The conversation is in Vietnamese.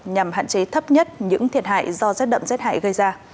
nhằm hạn chế thấp nhất những thiệt hại do giết đậm giết hại gây ra